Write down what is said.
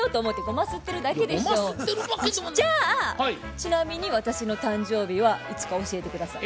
ちなみに私の誕生日はいつか教えて下さい。